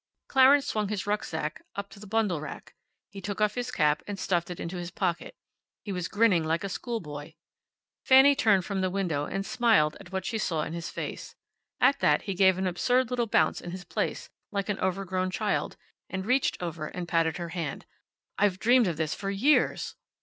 Clarence swung his rucksack up to the bundle rack. He took off his cap, and stuffed it into his pocket. He was grinning like a schoolboy. Fanny turned from the window and smiled at what she saw in his face. At that he gave an absurd little bounce in his place, like an overgrown child, and reached over and patted her hand. "I've dreamed of this for years."